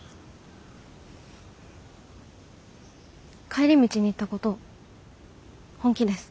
帰り道に言ったこと本気です。